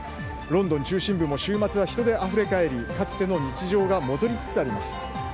ロンドン中心部も週末は人であふれ返りかつての日常が戻りつつあります。